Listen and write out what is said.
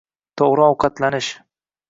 To‘g‘ri ovqatlanish.